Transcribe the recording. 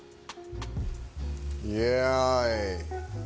イエーイ！